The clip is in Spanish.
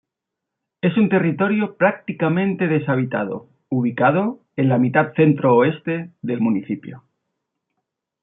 Es un territorio prácticamente deshabitado ubicado en la mitad centro oeste del municipio.